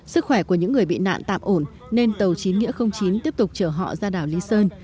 sức khỏe của những người bị nạn tạm ổn nên tàu chín nghĩa chín tiếp tục chở họ ra đảo lý sơn